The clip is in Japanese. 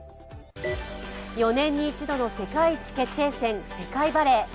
４年に一度の世界一決定戦世界バレー。